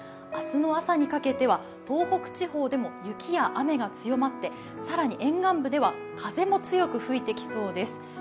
明日の朝にかけては東北地方でも雪や雨が強まって更に沿岸部では風も強く吹いてきそうです。